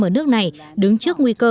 ở nước này đứng trước nguy cơ